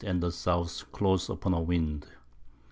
and the S. close upon a Wind.